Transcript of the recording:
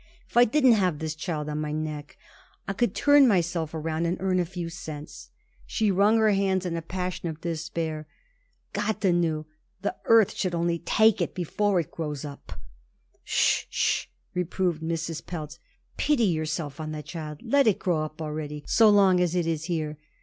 If I didn't have this child on my neck, I could turn myself around and earn a few cents." She wrung her hands in a passion of despair. "Gottuniu! the earth should only take it before it grows up!" "Pshaw! Pshaw!" reproved Mrs. Pelz. "Pity yourself on the child. Let it grow up already so long as it is here.